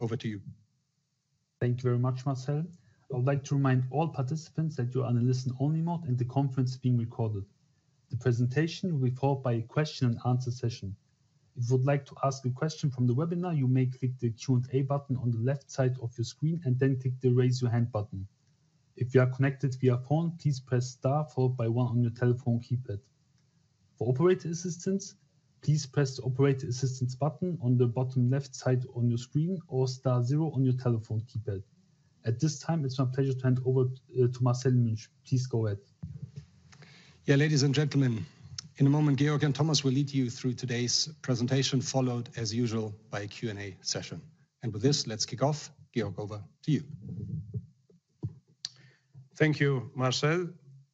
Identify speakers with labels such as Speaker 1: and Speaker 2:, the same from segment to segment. Speaker 1: Over to you.
Speaker 2: Thank you very much, Marcel. I would like to remind all participants that you are on a listen-only mode and the conference is being recorded. The presentation will be followed by a question-and-answer session. If you would like to ask a question from the webinar, you may click the Q&A button on the left side of your screen and then click the Raise Your Hand button. If you are connected via phone, please press Star followed by One on your telephone keypad. For operator assistance, please press the Operator Assistance button on the bottom left side on your screen or Star Zero on your telephone keypad. At this time, it's my pleasure to hand over to Marcel Münch. Please go ahead.
Speaker 1: Yeah, ladies and gentlemen, in a moment, Georgios and Thomas will lead you through today's presentation, followed, as usual, by a Q&A session. With this, let's kick off. Georgios, over to you.
Speaker 3: Thank you, Marcel.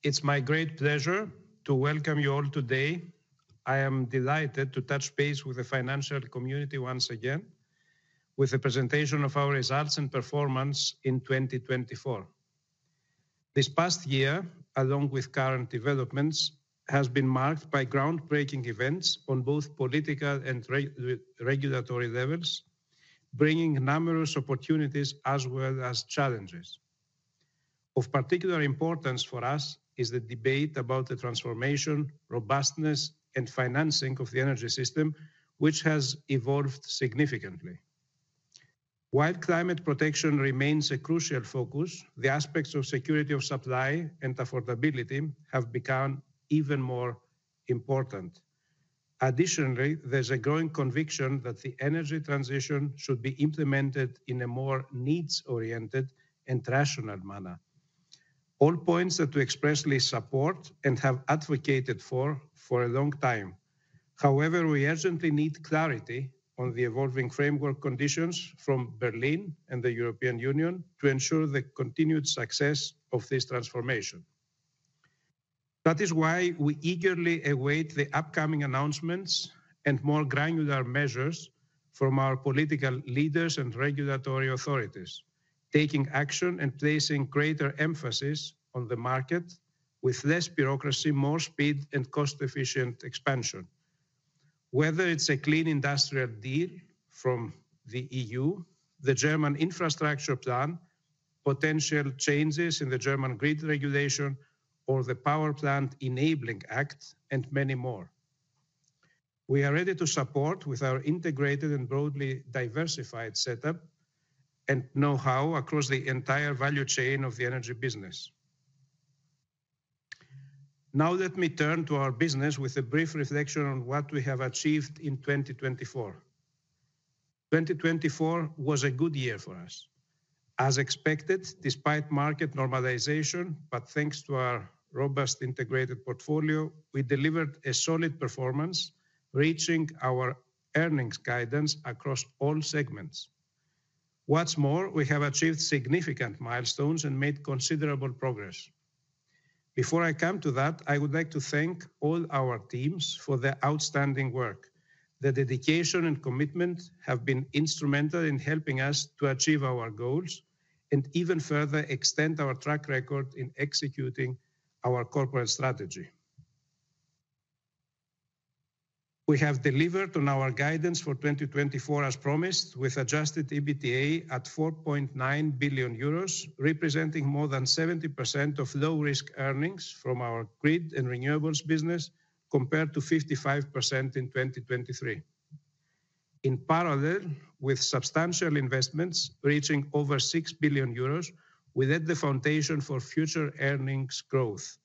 Speaker 3: It is my great pleasure to welcome you all today. I am delighted to touch base with the financial community once again with the presentation of our results and performance in 2024. This past year, along with current developments, has been marked by groundbreaking events on both political and regulatory levels, bringing numerous opportunities as well as challenges. Of particular importance for us is the debate about the transformation, robustness, and financing of the energy system, which has evolved significantly. While climate protection remains a crucial focus, the aspects of security of supply and affordability have become even more important. Additionally, there is a growing conviction that the energy transition should be implemented in a more needs-oriented and rational manner. All points that we expressly support and have advocated for for a long time. However, we urgently need clarity on the evolving framework conditions from Berlin and the European Union to ensure the continued success of this transformation. That is why we eagerly await the upcoming announcements and more granular measures from our political leaders and regulatory authorities, taking action and placing greater emphasis on the market with less bureaucracy, more speed, and cost-efficient expansion. Whether it is a Clean Industrial Deal from the EU, the German infrastructure plan, potential changes in the German grid regulation, or the Power Plant Enabling Act, and many more. We are ready to support with our integrated and broadly diversified setup and know-how across the entire value chain of the energy business. Now, let me turn to our business with a brief reflection on what we have achieved in 2024. 2024 was a good year for us. As expected, despite market normalization, but thanks to our robust integrated portfolio, we delivered a solid performance, reaching our earnings guidance across all segments. What's more, we have achieved significant milestones and made considerable progress. Before I come to that, I would like to thank all our teams for their outstanding work. Their dedication and commitment have been instrumental in helping us to achieve our goals and even further extend our track record in executing our corporate strategy. We have delivered on our guidance for 2024, as promised, with adjusted EBITDA at 4.9 billion euros, representing more than 70% of low-risk earnings from our grid and renewables business, compared to 55% in 2023. In parallel with substantial investments reaching over 6 billion euros, we laid the foundation for future earnings growth.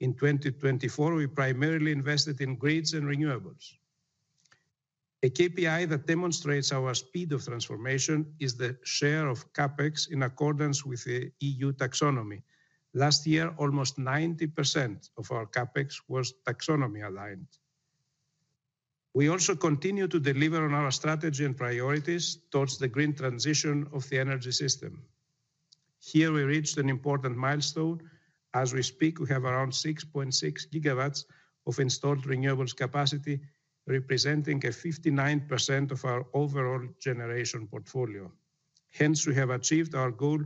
Speaker 3: In 2024, we primarily invested in grids and renewables. A KPI that demonstrates our speed of transformation is the share of CapEx in accordance with the EU taxonomy. Last year, almost 90% of our CapEx was taxonomy aligned. We also continue to deliver on our strategy and priorities towards the green transition of the energy system. Here, we reached an important milestone. As we speak, we have around 6.6 gigawatts of installed renewables capacity, representing 59% of our overall generation portfolio. Hence, we have achieved our goal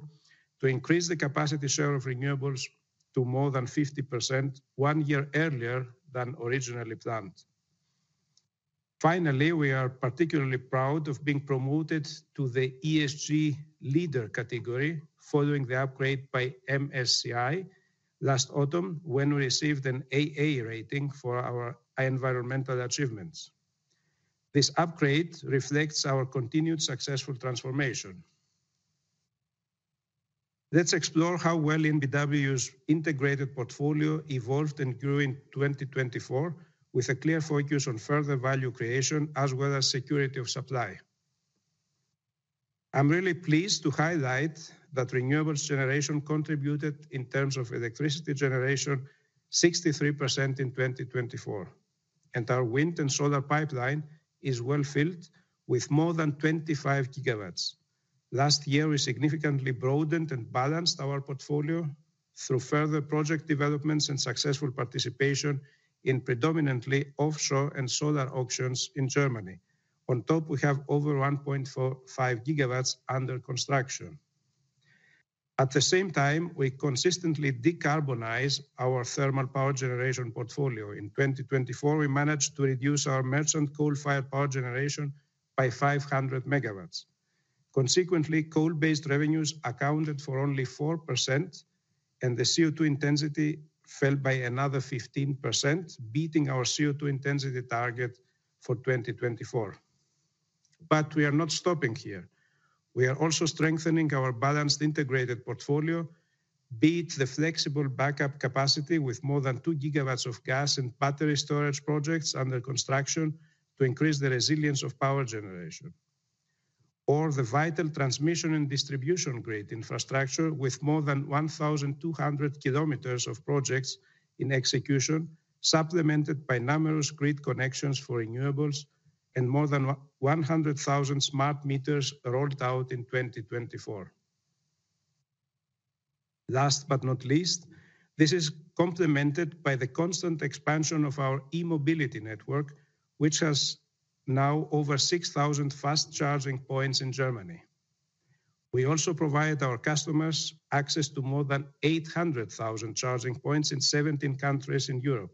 Speaker 3: to increase the capacity share of renewables to more than 50% one year earlier than originally planned. Finally, we are particularly proud of being promoted to the ESG Leader category following the upgrade by MSCI last autumn, when we received an AA rating for our environmental achievements. This upgrade reflects our continued successful transformation. Let's explore how well EnBW's integrated portfolio evolved and grew in 2024, with a clear focus on further value creation as well as security of supply. I'm really pleased to highlight that renewables generation contributed in terms of electricity generation 63% in 2024, and our wind and solar pipeline is well filled with more than 25 gigawatts. Last year, we significantly broadened and balanced our portfolio through further project developments and successful participation in predominantly offshore and solar auctions in Germany. On top, we have over 1.5 gigawatts under construction. At the same time, we consistently decarbonize our thermal power generation portfolio. In 2024, we managed to reduce our merchant coal-fired power generation by 500 megawatts. Consequently, coal-based revenues accounted for only 4%, and the CO2 intensity fell by another 15%, beating our CO2 intensity target for 2024. We are not stopping here. We are also strengthening our balanced integrated portfolio, be it the flexible backup capacity with more than 2 gigawatts of gas and battery storage projects under construction to increase the resilience of power generation, or the vital transmission and distribution grid infrastructure with more than 1,200 kilometers of projects in execution, supplemented by numerous grid connections for renewables and more than 100,000 smart meters rolled out in 2024. Last but not least, this is complemented by the constant expansion of our e-mobility network, which has now over 6,000 fast charging points in Germany. We also provide our customers access to more than 800,000 charging points in 17 countries in Europe,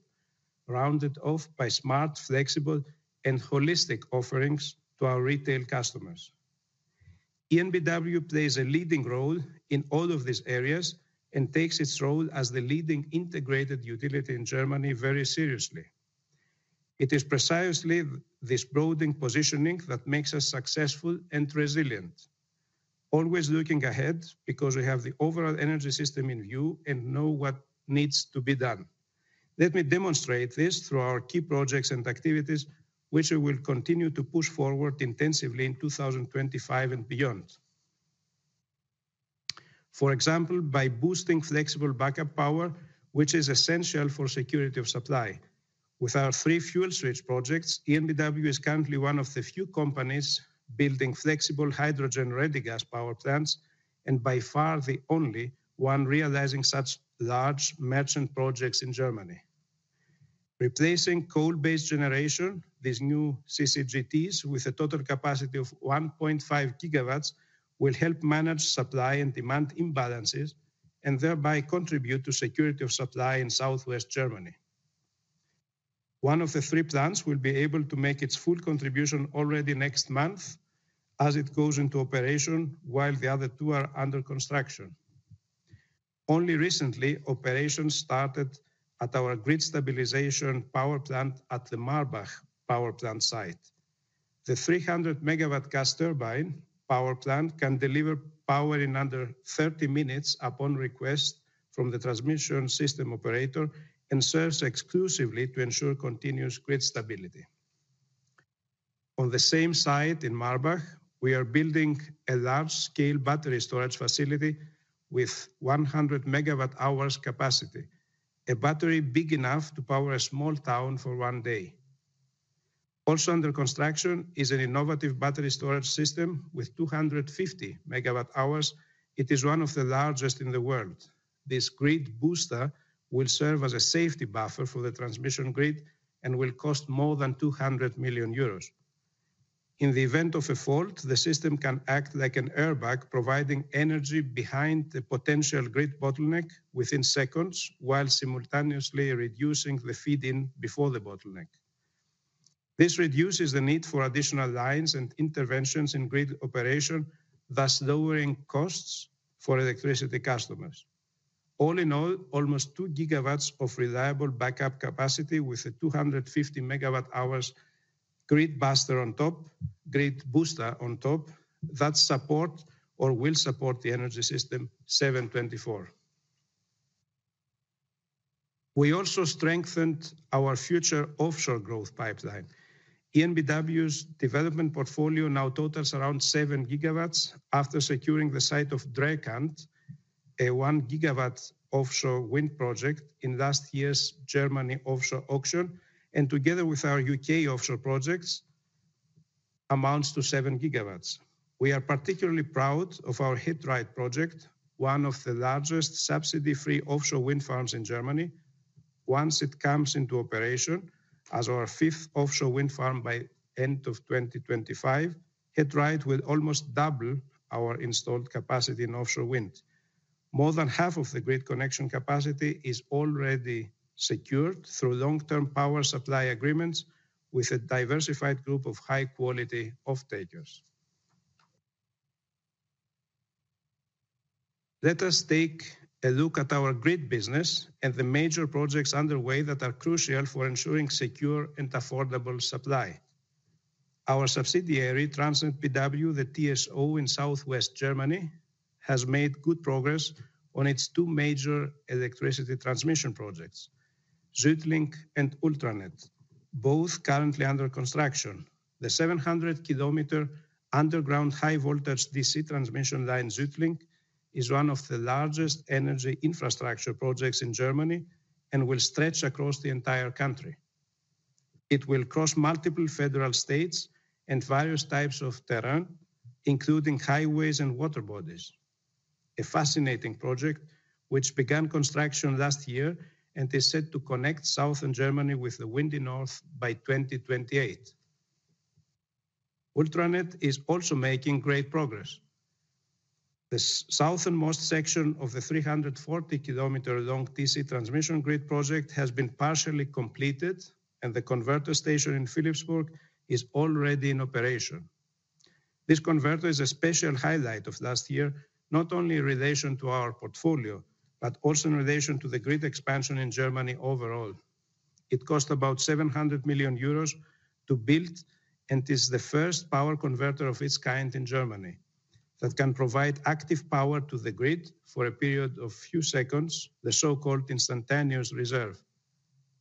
Speaker 3: rounded off by smart, flexible, and holistic offerings to our retail customers. EnBW plays a leading role in all of these areas and takes its role as the leading integrated utility in Germany very seriously. It is precisely this broadening positioning that makes us successful and resilient, always looking ahead because we have the overall energy system in view and know what needs to be done. Let me demonstrate this through our key projects and activities, which we will continue to push forward intensively in 2025 and beyond. For example, by boosting flexible backup power, which is essential for security of supply. With our three fuel switch projects, ENBW is currently one of the few companies building flexible hydrogen-ready gas power plants and by far the only one realizing such large merchant projects in Germany. Replacing coal-based generation, these new CCGTs with a total capacity of 1.5 gigawatts will help manage supply and demand imbalances and thereby contribute to security of supply in southwest Germany. One of the three plants will be able to make its full contribution already next month as it goes into operation, while the other two are under construction. Only recently, operations started at our grid stabilization power plant at the Marbach power plant site. The 300-megawatt gas turbine power plant can deliver power in under 30 minutes upon request from the transmission system operator and serves exclusively to ensure continuous grid stability. On the same site in Marbach, we are building a large-scale battery storage facility with 100 megawatt-hours capacity, a battery big enough to power a small town for one day. Also under construction is an innovative battery storage system with 250 megawatt-hours. It is one of the largest in the world. This grid booster will serve as a safety buffer for the transmission grid and will cost more than 200 million euros. In the event of a fault, the system can act like an airbag, providing energy behind the potential grid bottleneck within seconds while simultaneously reducing the feed-in before the bottleneck. This reduces the need for additional lines and interventions in grid operation, thus lowering costs for electricity customers. All in all, almost 2 gigawatts of reliable backup capacity with a 250 megawatt-hours grid booster on top, that support or will support the energy system 24/7. We also strengthened our future offshore growth pipeline. ENBW's development portfolio now totals around 7 gigawatts after securing the site of Drekant, a 1 gigawatt offshore wind project in last year's Germany offshore auction, and together with our U.K. offshore projects, amounts to 7 gigawatts. We are particularly proud of our He Dreiht project, one of the largest subsidy-free offshore wind farms in Germany. Once it comes into operation as our fifth offshore wind farm by the end of 2025, He Dreiht will almost double our installed capacity in offshore wind. More than half of the grid connection capacity is already secured through long-term power supply agreements with a diversified group of high-quality off-takers. Let us take a look at our grid business and the major projects underway that are crucial for ensuring secure and affordable supply. Our subsidiary, TransnetBW, the TSO in southwest Germany, has made good progress on its two major electricity transmission projects, SuedLink and Ultranet, both currently under construction. The 700 km underground high-voltage DC transmission line SuedLink is one of the largest energy infrastructure projects in Germany and will stretch across the entire country. It will cross multiple federal states and various types of terrain, including highways and water bodies, a fascinating project which began construction last year and is set to connect southern Germany with the windy north by 2028. Ultranet is also making great progress. The southernmost section of the 340 km long DC transmission grid project has been partially completed, and the converter station in Philippsburg is already in operation. This converter is a special highlight of last year, not only in relation to our portfolio, but also in relation to the grid expansion in Germany overall. It cost about 700 million euros to build and is the first power converter of its kind in Germany that can provide active power to the grid for a period of few seconds, the so-called instantaneous reserve.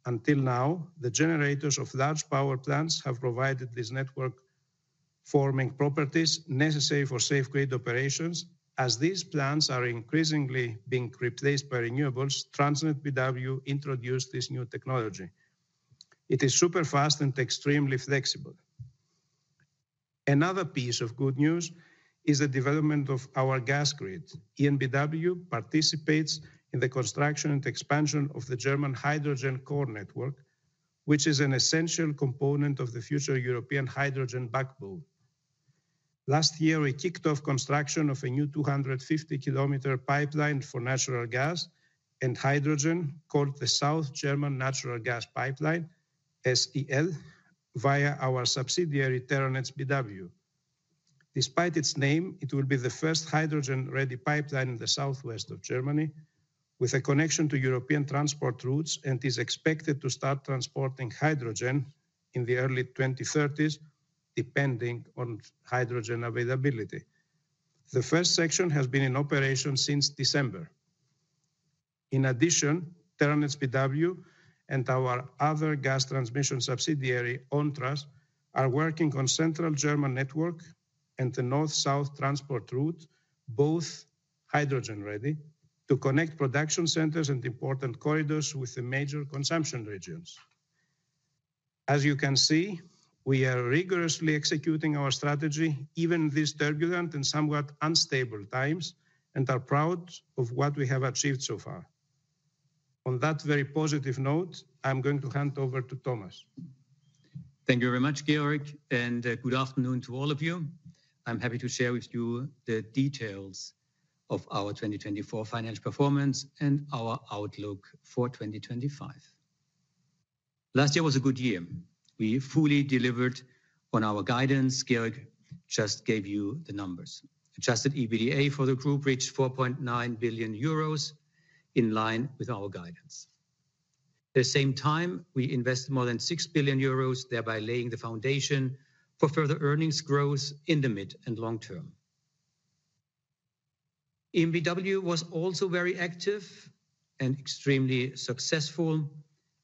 Speaker 3: Until now, the generators of large power plants have provided these network-forming properties necessary for safe grid operations. As these plants are increasingly being replaced by renewables, TransnetBW introduced this new technology. It is super fast and extremely flexible. Another piece of good news is the development of our gas grid. ENBW participates in the construction and expansion of the German Hydrogen Core Network, which is an essential component of the future European hydrogen backbone. Last year, we kicked off construction of a new 250 km pipeline for natural gas and hydrogen called the South German Natural Gas Pipeline, SEL, via our subsidiary Terranets BW. Despite its name, it will be the first hydrogen-ready pipeline in the southwest of Germany, with a connection to European transport routes and is expected to start transporting hydrogen in the early 2030s, depending on hydrogen availability. The first section has been in operation since December. In addition, Terranets BW and our other gas transmission subsidiary, ONTRAS, are working on the central German network and the north-south transport route, both hydrogen-ready, to connect production centers and important corridors with the major consumption regions. As you can see, we are rigorously executing our strategy, even in these turbulent and somewhat unstable times, and are proud of what we have achieved so far. On that very positive note, I'm going to hand over to Thomas.
Speaker 4: Thank you very much, Georg, and good afternoon to all of you. I'm happy to share with you the details of our 2024 financial performance and our outlook for 2025. Last year was a good year. We fully delivered on our guidance. Georg just gave you the numbers. Adjusted EBITDA for the group reached 4.9 billion euros in line with our guidance. At the same time, we invested more than 6 billion euros, thereby laying the foundation for further earnings growth in the mid and long term. ENBW was also very active and extremely successful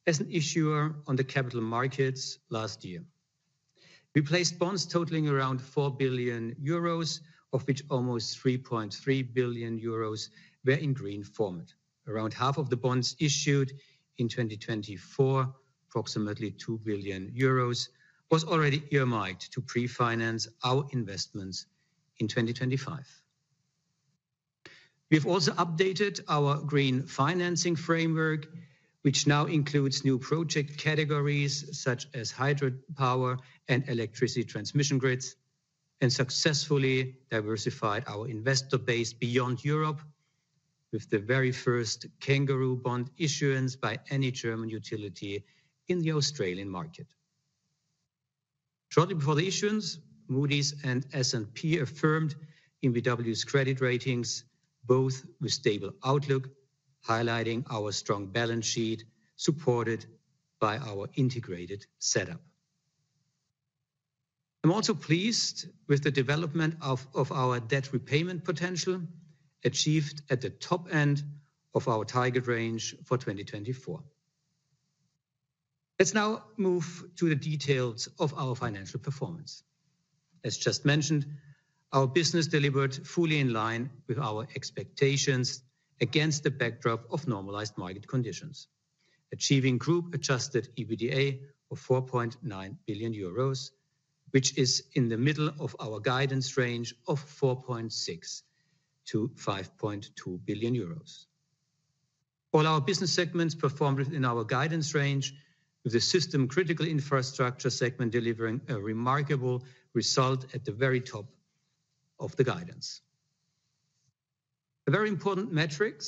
Speaker 4: as an issuer on the capital markets last year. We placed bonds totaling around 4 billion euros, of which almost 3.3 billion euros were in green format. Around half of the bonds issued in 2024, approximately 2 billion euros, was already earmarked to pre-finance our investments in 2025. We have also updated our green financing framework, which now includes new project categories such as hydropower and electricity transmission grids, and successfully diversified our investor base beyond Europe with the very first kangaroo bond issuance by any German utility in the Australian market. Shortly before the issuance, Moody's and S&P affirmed ENBW's credit ratings, both with stable outlook, highlighting our strong balance sheet supported by our integrated setup. I'm also pleased with the development of our debt repayment potential achieved at the top end of our target range for 2024. Let's now move to the details of our financial performance. As just mentioned, our business delivered fully in line with our expectations against the backdrop of normalized market conditions, achieving group-adjusted EBITDA of 4.9 billion euros, which is in the middle of our guidance range of 4.6-5.2 billion euros. All our business segments performed within our guidance range, with the system-critical infrastructure segment delivering a remarkable result at the very top of the guidance. A very important metric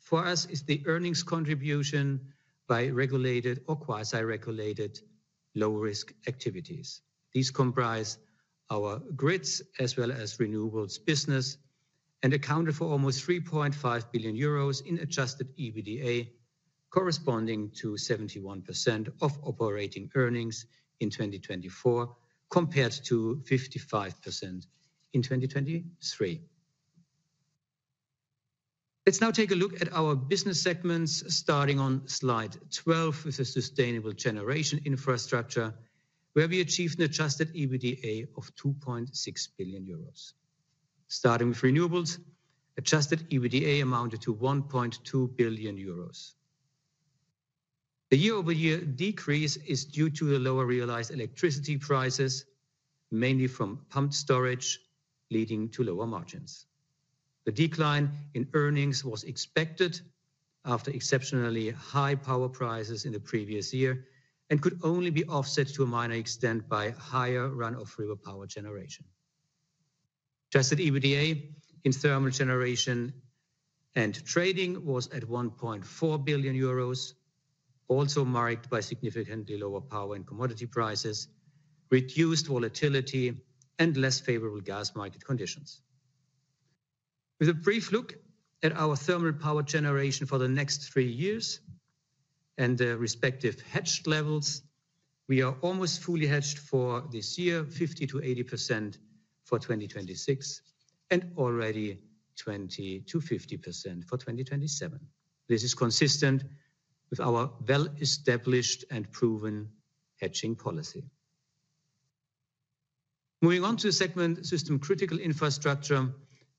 Speaker 4: for us is the earnings contribution by regulated or quasi-regulated low-risk activities. These comprise our grids as well as renewables business and accounted for almost 3.5 billion euros in adjusted EBITDA, corresponding to 71% of operating earnings in 2024 compared to 55% in 2023. Let's now take a look at our business segments, starting on slide 12 with the sustainable generation infrastructure, where we achieved an adjusted EBITDA of 2.6 billion euros. Starting with renewables, adjusted EBITDA amounted to 1.2 billion euros. The year-over-year decrease is due to the lower realized electricity prices, mainly from pumped storage, leading to lower margins. The decline in earnings was expected after exceptionally high power prices in the previous year and could only be offset to a minor extent by higher runoff river power generation. Adjusted EBITDA in thermal generation and trading was at 1.4 billion euros, also marked by significantly lower power and commodity prices, reduced volatility, and less favorable gas market conditions. With a brief look at our thermal power generation for the next three years and the respective hedged levels, we are almost fully hedged for this year, 50%-80% for 2026, and already 20%-50% for 2027. This is consistent with our well-established and proven hedging policy. Moving on to the segment system-critical infrastructure,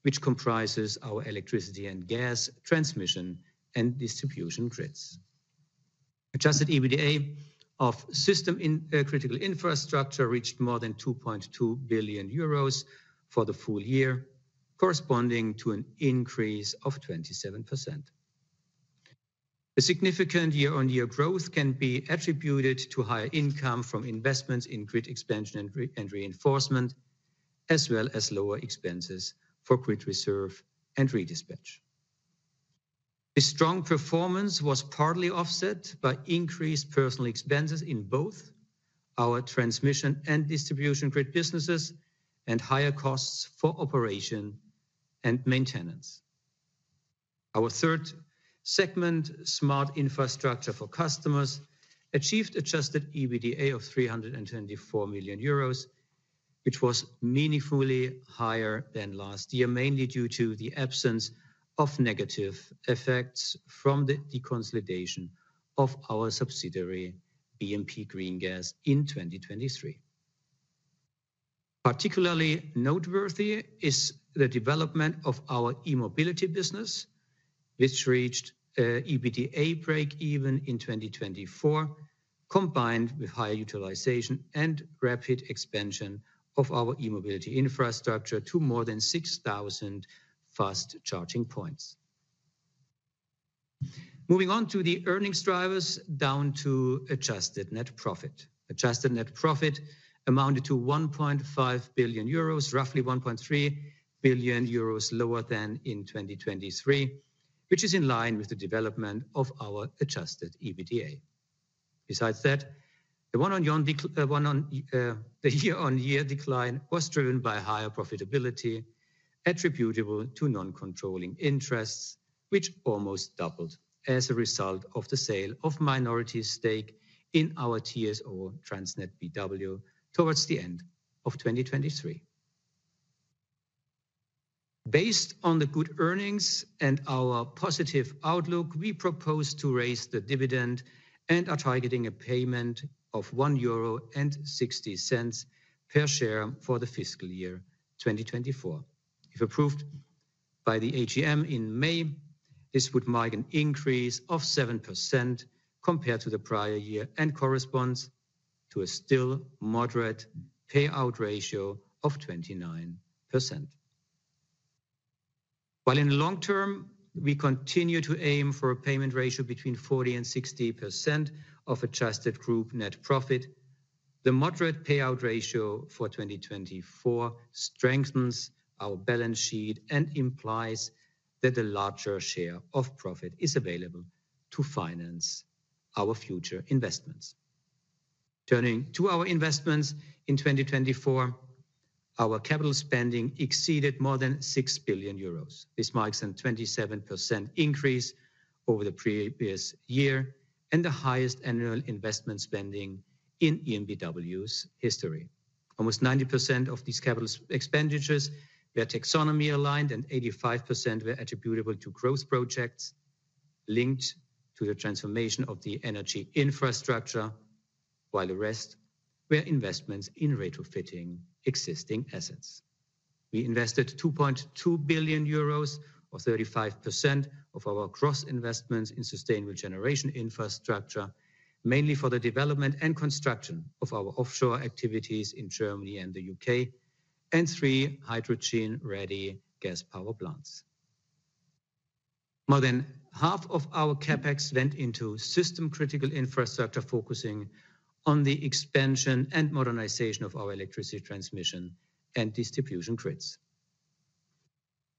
Speaker 4: which comprises our electricity and gas transmission and distribution grids. Adjusted EBITDA of system-critical infrastructure reached more than 2.2 billion euros for the full year, corresponding to an increase of 27%. The significant year-on-year growth can be attributed to higher income from investments in grid expansion and reinforcement, as well as lower expenses for grid reserve and redispatch. This strong performance was partly offset by increased personnel expenses in both our transmission and distribution grid businesses and higher costs for operation and maintenance. Our third segment, smart infrastructure for customers, achieved adjusted EBITDA of 324 million euros, which was meaningfully higher than last year, mainly due to the absence of negative effects from the deconsolidation of our subsidiary BMP Greengas in 2023. Particularly noteworthy is the development of our e-mobility business, which reached EBITDA break-even in 2024, combined with high utilization and rapid expansion of our e-mobility infrastructure to more than 6,000 fast charging points. Moving on to the earnings drivers, down to adjusted net profit. Adjusted net profit amounted to 1.5 billion euros, roughly 1.3 billion euros lower than in 2023, which is in line with the development of our adjusted EBITDA. Besides that, the one-on-year decline was driven by higher profitability attributable to non-controlling interests, which almost doubled as a result of the sale of minority stake in our TSO TransnetBW towards the end of 2023. Based on the good earnings and our positive outlook, we propose to raise the dividend and are targeting a payment of 1.60 euro per share for the fiscal year 2024. If approved by the AGM in May, this would mark an increase of 7% compared to the prior year and corresponds to a still moderate payout ratio of 29%. While in the long term, we continue to aim for a payment ratio between 40% and 60% of adjusted group net profit, the moderate payout ratio for 2024 strengthens our balance sheet and implies that a larger share of profit is available to finance our future investments. Turning to our investments in 2024, our capital spending exceeded more than 6 billion euros. This marks a 27% increase over the previous year and the highest annual investment spending in ENBW's history. Almost 90% of these capital expenditures were taxonomy-aligned and 85% were attributable to growth projects linked to the transformation of the energy infrastructure, while the rest were investments in retrofitting existing assets. We invested 2.2 billion euros, or 35% of our cross-investments in sustainable generation infrastructure, mainly for the development and construction of our offshore activities in Germany and the U.K., and three hydrogen-ready gas power plants. More than half of our CapEx went into system-critical infrastructure, focusing on the expansion and modernization of our electricity transmission and distribution grids.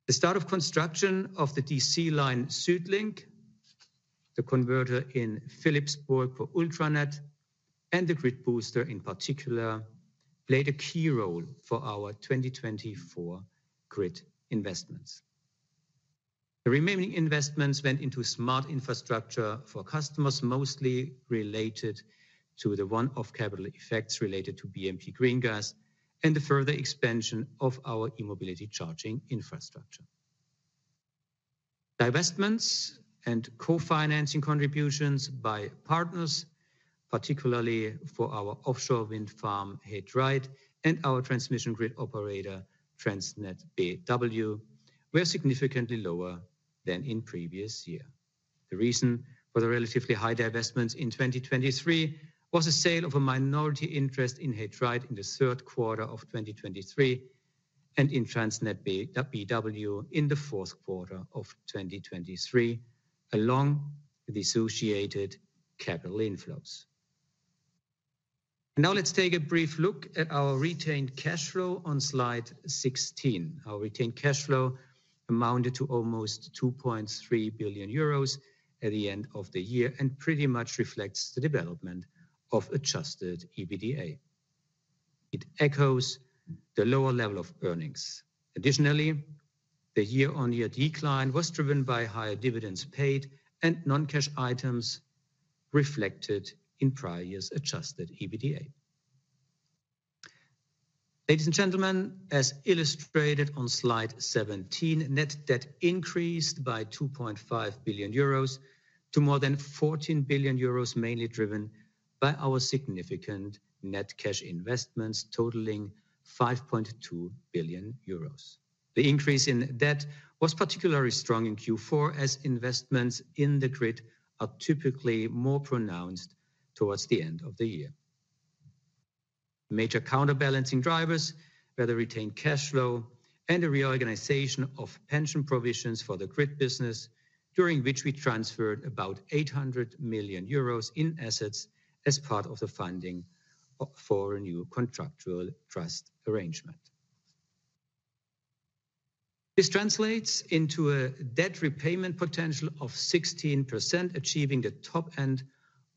Speaker 4: The start of construction of the DC line Südlink, the converter in Philippsburg for Ultranet, and the grid booster in particular played a key role for our 2024 grid investments. The remaining investments went into smart infrastructure for customers, mostly related to the one-off capital effects related to BNP Green Gas and the further expansion of our e-mobility charging infrastructure. Divestments and co-financing contributions by partners, particularly for our offshore wind farm HedRide and our transmission grid operator TransnetBW, were significantly lower than in previous years. The reason for the relatively high divestments in 2023 was the sale of a minority interest in HedRide in the third quarter of 2023 and in TransnetBW in the fourth quarter of 2023, along with the associated capital inflows. Now let's take a brief look at our retained cash flow on slide 16. Our retained cash flow amounted to almost 2.3 billion euros at the end of the year and pretty much reflects the development of adjusted EBITDA. It echoes the lower level of earnings. Additionally, the year-on-year decline was driven by higher dividends paid and non-cash items reflected in prior years' adjusted EBITDA. Ladies and gentlemen, as illustrated on slide 17, net debt increased by 2.5 billion euros to more than 14 billion euros, mainly driven by our significant net cash investments totaling 5.2 billion euros. The increase in debt was particularly strong in Q4, as investments in the grid are typically more pronounced towards the end of the year. Major counterbalancing drivers were the retained cash flow and the reorganization of pension provisions for the grid business, during which we transferred about 800 million euros in assets as part of the funding for a new contractual trust arrangement. This translates into a debt repayment potential of 16%, achieving the top end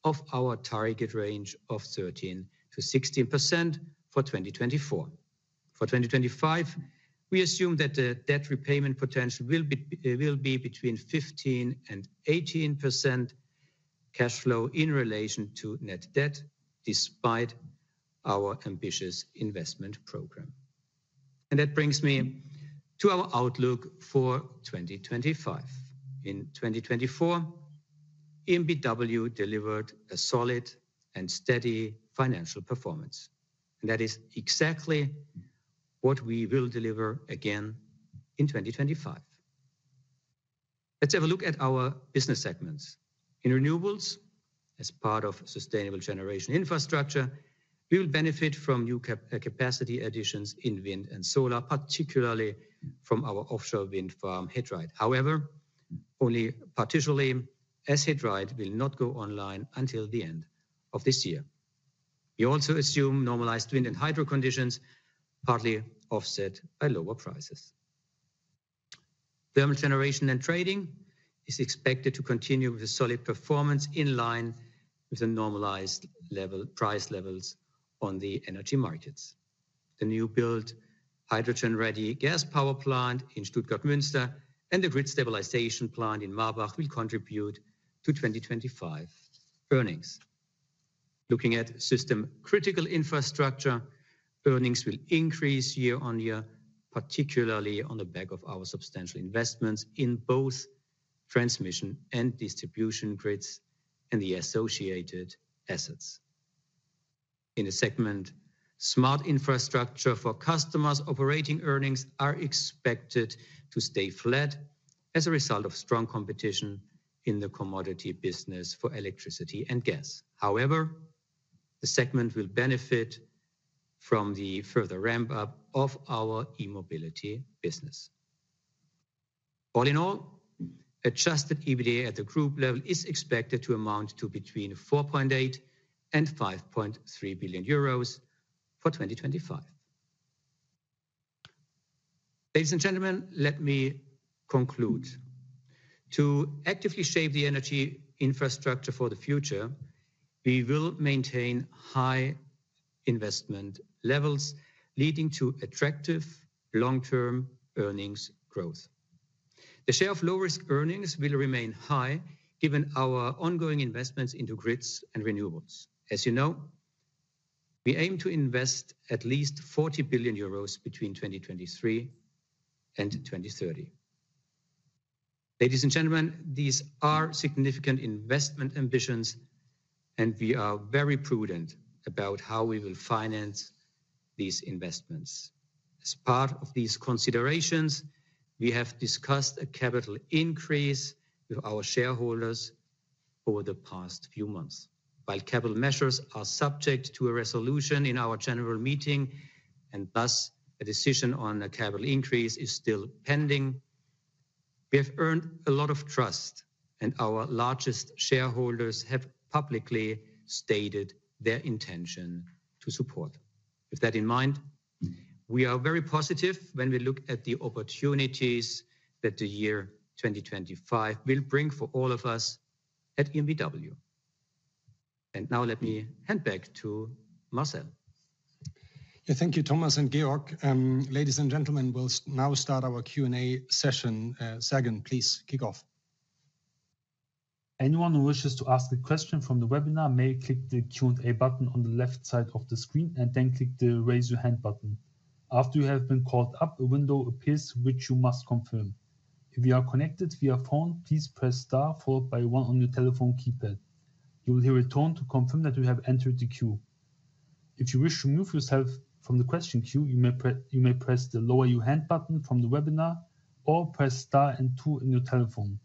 Speaker 4: of our target range of 13%-16% for 2024. For 2025, we assume that the debt repayment potential will be between 15% and 18% cash flow in relation to net debt, despite our ambitious investment program. That brings me to our outlook for 2025. In 2024, EnBW delivered a solid and steady financial performance, and that is exactly what we will deliver again in 2025. Let's have a look at our business segments. In renewables, as part of sustainable generation infrastructure, we will benefit from new capacity additions in wind and solar, particularly from our offshore wind farm HedRide. However, only partially, as HedRide will not go online until the end of this year. We also assume normalized wind and hydro conditions, partly offset by lower prices. Thermal generation and trading is expected to continue with a solid performance in line with the normalized price levels on the energy markets. The new-built hydrogen-ready gas power plant in Stuttgart-Münster and the grid stabilization plant in Marbach will contribute to 2025 earnings. Looking at system-critical infrastructure, earnings will increase year-on-year, particularly on the back of our substantial investments in both transmission and distribution grids and the associated assets. In the segment smart infrastructure for customers, operating earnings are expected to stay flat as a result of strong competition in the commodity business for electricity and gas. However, the segment will benefit from the further ramp-up of our e-mobility business. All in all, adjusted EBITDA at the group level is expected to amount to between 4.8 billion and 5.3 billion euros for 2025. Ladies and gentlemen, let me conclude. To actively shape the energy infrastructure for the future, we will maintain high investment levels, leading to attractive long-term earnings growth. The share of low-risk earnings will remain high, given our ongoing investments into grids and renewables. As you know, we aim to invest at least 40 billion euros between 2023 and 2030. Ladies and gentlemen, these are significant investment ambitions, and we are very prudent about how we will finance these investments. As part of these considerations, we have discussed a capital increase with our shareholders over the past few months. While capital measures are subject to a resolution in our general meeting, and thus a decision on a capital increase is still pending, we have earned a lot of trust, and our largest shareholders have publicly stated their intention to support. With that in mind, we are very positive when we look at the opportunities that the year 2025 will bring for all of us at EnBW. Now let me hand back to Marcel.
Speaker 1: Yeah, thank you, Thomas and Georg. Ladies and gentlemen, we'll now start our Q&A session. Sergen, please kick off.
Speaker 2: Anyone who wishes to ask a question from the webinar may click the Q&A button on the left side of the screen and then click the Raise Your Hand button. After you have been called up, a window appears which you must confirm. If you are connected via phone, please press Star followed by One on your telephone keypad. You will hear a tone to confirm that you have entered the queue. If you wish to move yourself from the question queue, you may press the Lower Your Hand button from the webinar or press Star and Two on your telephone.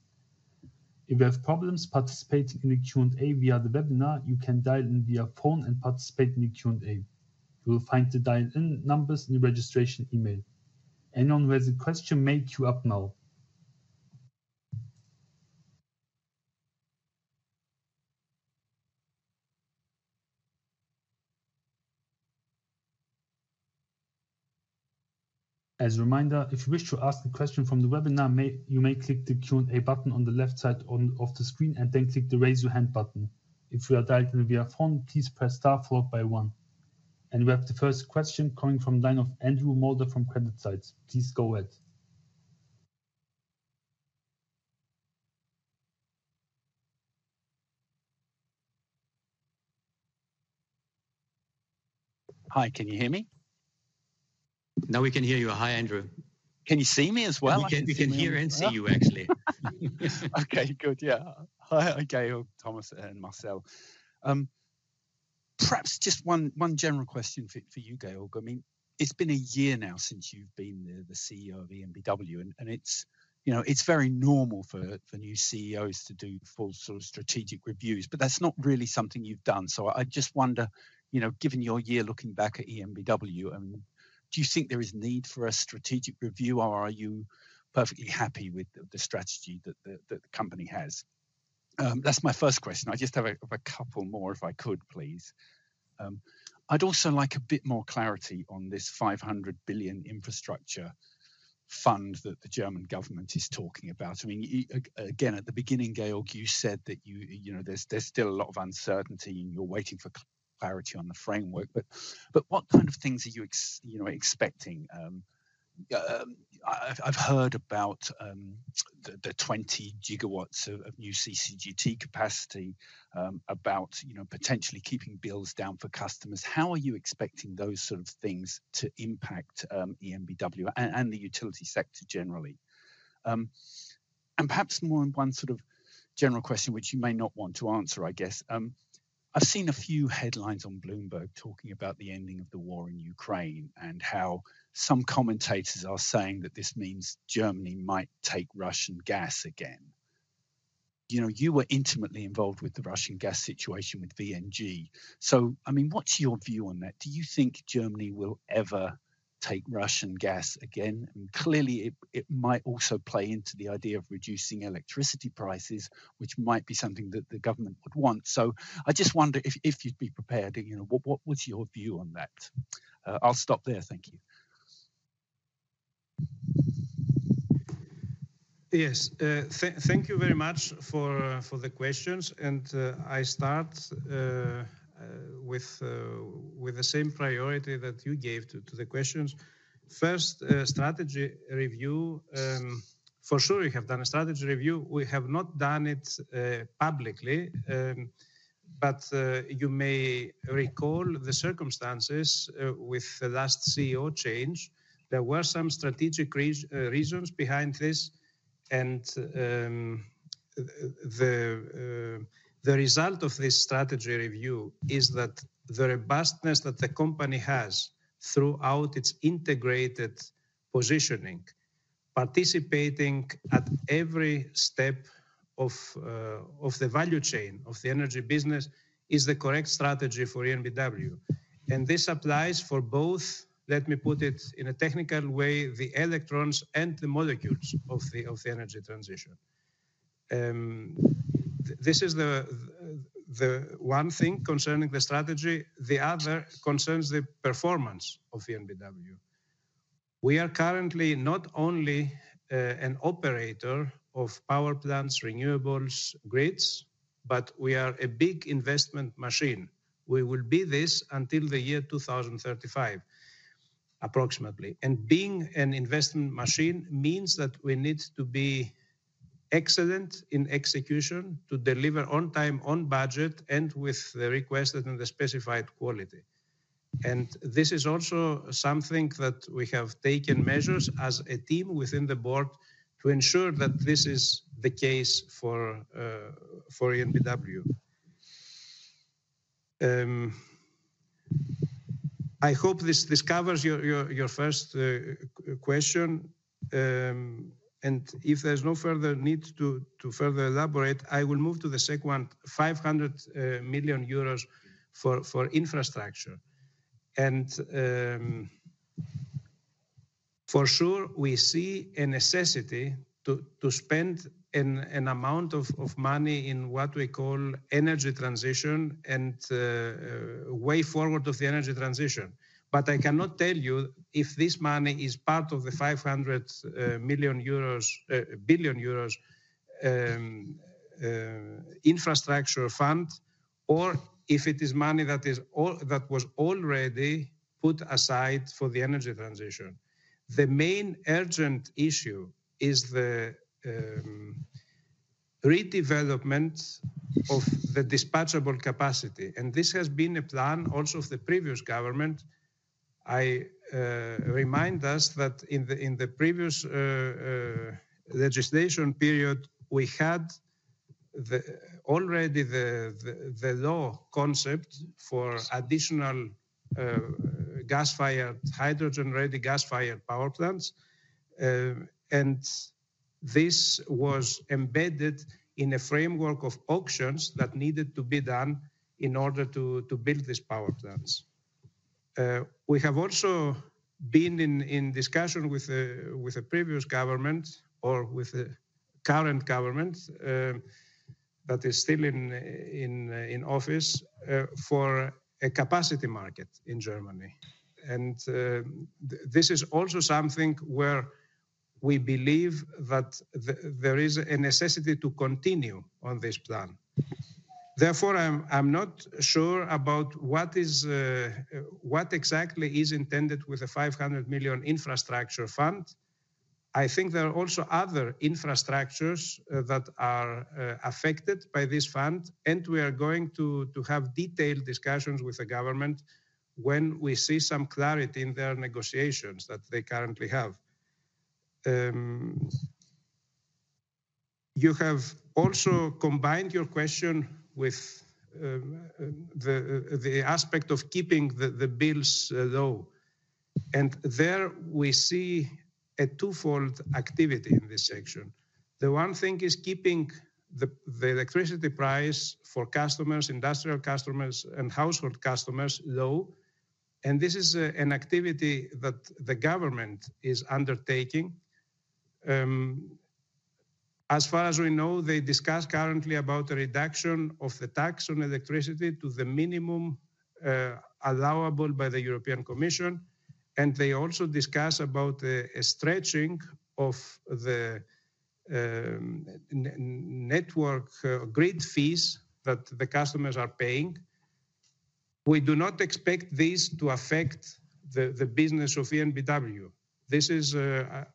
Speaker 2: If you have problems participating in the Q&A via the webinar, you can dial in via phone and participate in the Q&A. You will find the dial-in numbers in the registration email. Anyone who has a question may queue up now. As a reminder, if you wish to ask a question from the webinar, you may click the Q&A button on the left side of the screen and then click the Raise Your Hand button. If you are dialed in via phone, please press Star followed by One. We have the first question coming from the line of Andrew Moulder from Credit Suisse. Please go ahead.
Speaker 1: Hi, can you hear me? Now we can hear you. Hi, Andrew. Can you see me as well? We can hear and see you, actually. Okay, good. Yeah.
Speaker 5: Hi, Georgios, Thomas and Marcel. Perhaps just one general question for you, Georgios. I mean, it's been a year now since you've been the CEO of ENBW, and it's very normal for new CEOs to do full sort of strategic reviews, but that's not really something you've done. I just wonder, given your year looking back at EnBW, do you think there is a need for a strategic review, or are you perfectly happy with the strategy that the company has? That's my first question. I just have a couple more if I could, please. I would also like a bit more clarity on this 500 billion infrastructure fund that the German government is talking about. I mean, again, at the beginning, Georg, you said that there's still a lot of uncertainty and you're waiting for clarity on the framework, but what kind of things are you expecting? I've heard about the 20 gigawatts of new CCGT capacity, about potentially keeping bills down for customers. How are you expecting those sort of things to impact EnBW and the utility sector generally? Perhaps more on one sort of general question, which you may not want to answer, I guess. I've seen a few headlines on Bloomberg talking about the ending of the war in Ukraine and how some commentators are saying that this means Germany might take Russian gas again. You were intimately involved with the Russian gas situation with VNG. I mean, what's your view on that? Do you think Germany will ever take Russian gas again? Clearly, it might also play into the idea of reducing electricity prices, which might be something that the government would want. I just wonder if you'd be prepared. What was your view on that? I'll stop there. Thank you.
Speaker 3: Yes, thank you very much for the questions. I start with the same priority that you gave to the questions. First, strategy review. For sure, we have done a strategy review. We have not done it publicly, but you may recall the circumstances with the last CEO change. There were some strategic reasons behind this, and the result of this strategy review is that the robustness that the company has throughout its integrated positioning, participating at every step of the value chain of the energy business, is the correct strategy for EnBW. This applies for both, let me put it in a technical way, the electrons and the molecules of the energy transition. This is the one thing concerning the strategy. The other concerns the performance of EnBW. We are currently not only an operator of power plants, renewables, grids, but we are a big investment machine. We will be this until the year 2035, approximately. Being an investment machine means that we need to be excellent in execution to deliver on time, on budget, and with the requested and the specified quality. This is also something that we have taken measures as a team within the board to ensure that this is the case for EnBW. I hope this covers your first question. If there is no further need to further elaborate, I will move to the second one, 500 million euros for infrastructure. For sure, we see a necessity to spend an amount of money in what we call energy transition and way forward of the energy transition. I cannot tell you if this money is part of the 500 billion euros infrastructure fund or if it is money that was already put aside for the energy transition. The main urgent issue is the redevelopment of the dispatchable capacity. This has been a plan also of the previous government. I remind us that in the previous legislation period, we had already the law concept for additional gas-fired, hydrogen-ready gas-fired power plants. This was embedded in a framework of auctions that needed to be done in order to build these power plants. We have also been in discussion with the previous government or with the current government that is still in office for a capacity market in Germany. This is also something where we believe that there is a necessity to continue on this plan. Therefore, I'm not sure about what exactly is intended with the 500 million infrastructure fund. I think there are also other infrastructures that are affected by this fund, and we are going to have detailed discussions with the government when we see some clarity in their negotiations that they currently have. You have also combined your question with the aspect of keeping the bills low. There we see a twofold activity in this section. The one thing is keeping the electricity price for customers, industrial customers, and household customers low. This is an activity that the government is undertaking. As far as we know, they discuss currently about a reduction of the tax on electricity to the minimum allowable by the European Commission. They also discuss about a stretching of the network grid fees that the customers are paying. We do not expect this to affect the business of EnBW. This is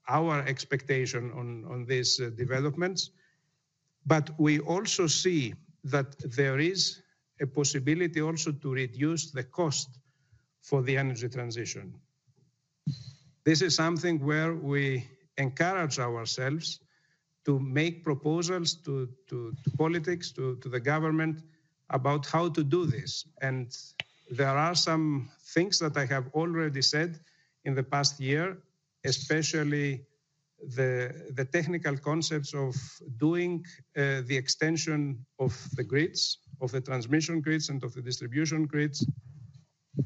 Speaker 3: our expectation on these developments. We also see that there is a possibility also to reduce the cost for the energy transition. This is something where we encourage ourselves to make proposals to politics, to the government about how to do this. There are some things that I have already said in the past year, especially the technical concepts of doing the extension of the grids, of the transmission grids and of the distribution grids.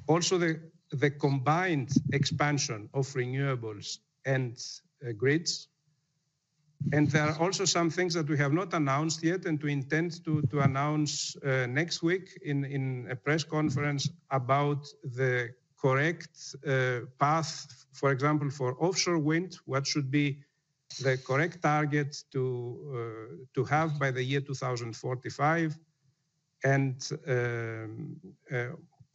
Speaker 3: Also, the combined expansion of renewables and grids. There are also some things that we have not announced yet and we intend to announce next week in a press conference about the correct path, for example, for offshore wind, what should be the correct target to have by the year 2045.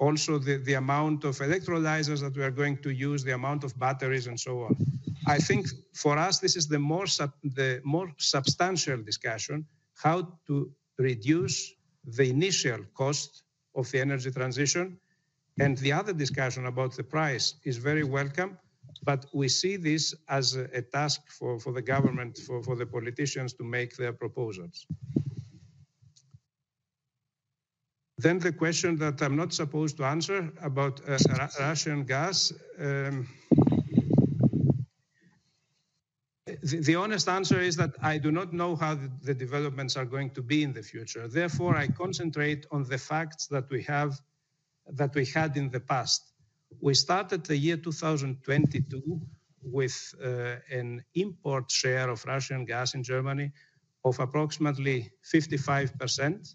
Speaker 3: Also the amount of electrolyzers that we are going to use, the amount of batteries and so on. I think for us, this is the more substantial discussion, how to reduce the initial cost of the energy transition. The other discussion about the price is very welcome, but we see this as a task for the government, for the politicians to make their proposals. The question that I'm not supposed to answer about Russian gas. The honest answer is that I do not know how the developments are going to be in the future. Therefore, I concentrate on the facts that we had in the past. We started the year 2022 with an import share of Russian gas in Germany of approximately 55%,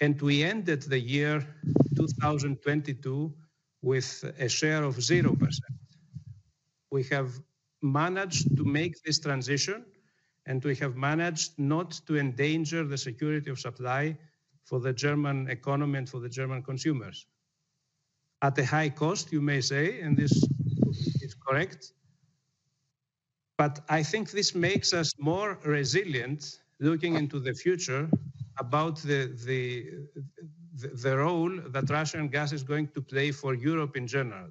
Speaker 3: and we ended the year 2022 with a share of 0%. We have managed to make this transition, and we have managed not to endanger the security of supply for the German economy and for the German consumers. At a high cost, you may say, and this is correct. I think this makes us more resilient looking into the future about the role that Russian gas is going to play for Europe in general.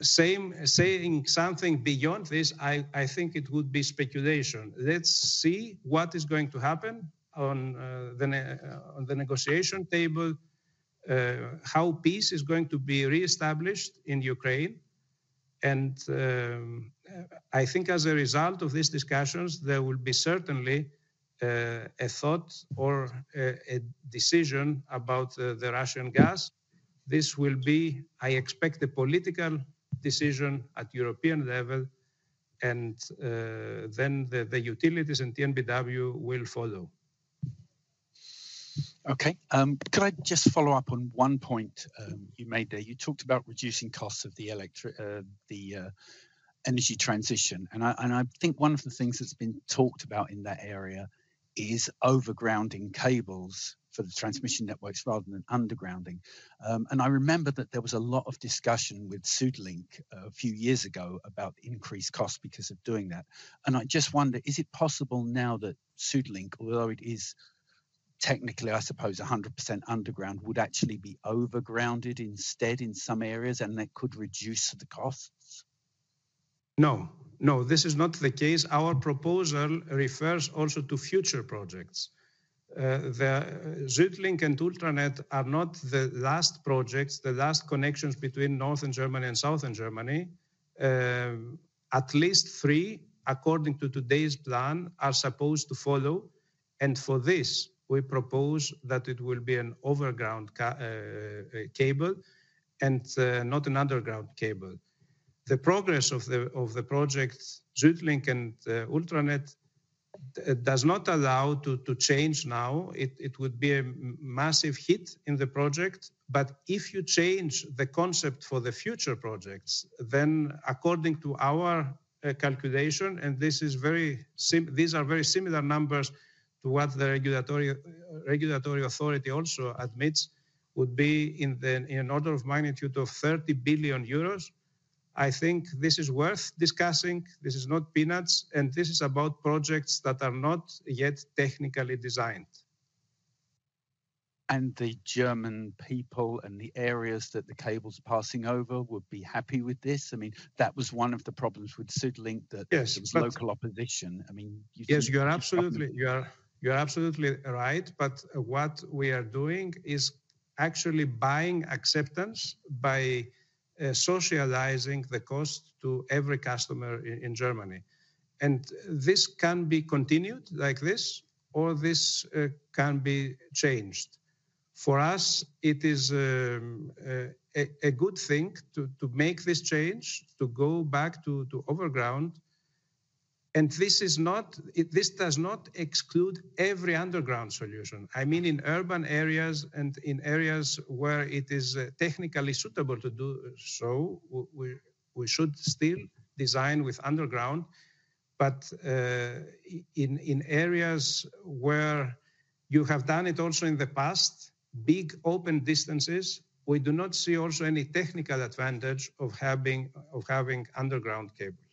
Speaker 3: Saying something beyond this, I think it would be speculation. Let's see what is going to happen on the negotiation table, how peace is going to be reestablished in Ukraine. I think as a result of these discussions, there will be certainly a thought or a decision about the Russian gas. This will be, I expect, a political decision at European level, and then the utilities and ENBW will follow.
Speaker 5: Okay. Could I just follow up on one point you made there? You talked about reducing costs of the energy transition. I think one of the things that's been talked about in that area is overgrounding cables for the transmission networks rather than undergrounding. I remember that there was a lot of discussion with Südlink a few years ago about increased costs because of doing that. I just wonder, is it possible now that Südlink, although it is technically, I suppose, 100% underground, would actually be overgrounded instead in some areas and that could reduce the costs?
Speaker 3: No. No, this is not the case. Our proposal refers also to future projects. Südlink and Ultranet are not the last projects, the last connections between Northern Germany and Southern Germany. At least three, according to today's plan, are supposed to follow. For this, we propose that it will be an overground cable and not an underground cable. The progress of the project, Südlink and Ultranet, does not allow to change now. It would be a massive hit in the project. If you change the concept for the future projects, then according to our calculation, and these are very similar numbers to what the regulatory authority also admits, it would be in an order of magnitude of 30 billion euros. I think this is worth discussing. This is not peanuts, and this is about projects that are not yet technically designed.
Speaker 5: The German people and the areas that the cables are passing over would be happy with this? I mean, that was one of the problems with Südlink, that it was local opposition. I mean, you said.
Speaker 3: Yes, you're absolutely right. What we are doing is actually buying acceptance by socializing the cost to every customer in Germany. This can be continued like this, or this can be changed. For us, it is a good thing to make this change, to go back to overground. This does not exclude every underground solution. I mean, in urban areas and in areas where it is technically suitable to do so, we should still design with underground. In areas where you have done it also in the past, big open distances, we do not see also any technical advantage of having underground cables.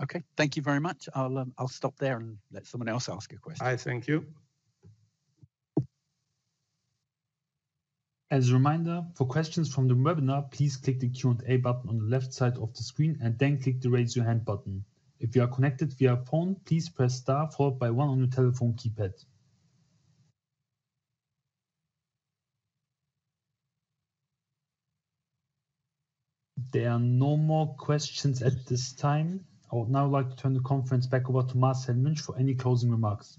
Speaker 5: Okay. Thank you very much. I'll stop there and let someone else ask a question. I thank you. As a reminder, for questions from the webinar, please click the Q&A button on the left side of the screen and then click the raise your hand button. If you are connected via phone, please press star followed by one on your telephone keypad. There are no more questions at this time. I would now like to turn the conference back over to Marcel Münch for any closing remarks.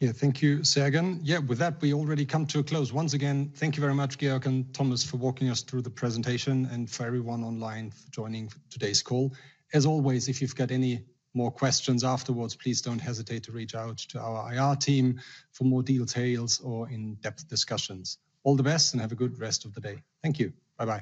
Speaker 1: Thank you, Sergen.Yeah, with that, we already come to a close. Once again, thank you very much, Georg and Thomas, for walking us through the presentation and for everyone online joining today's call. As always, if you've got any more questions afterwards, please do not hesitate to reach out to our IR team for more details or in-depth discussions. All the best and have a good rest of the day. Thank you. Bye-bye.